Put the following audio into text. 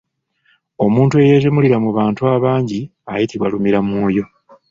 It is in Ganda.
Omuntu eyeetemulira mu bantu abangi ayitibwa lumiramwoyo.